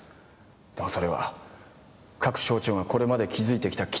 だがそれは各省庁がこれまで築いてきた既得権益。